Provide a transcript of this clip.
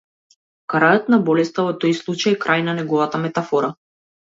Крајот на болеста во тој случај е крај на неговата метафора.